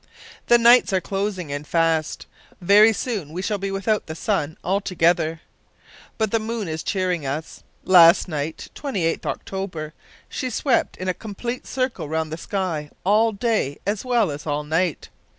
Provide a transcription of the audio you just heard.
"The nights are closing in fast; very soon we shall be without the sun altogether. But the moon is cheering us. Last night, (28th October) she swept in a complete circle round the sky all day as well as all night.